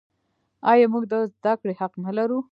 آیا موږ د زده کړې حق نلرو؟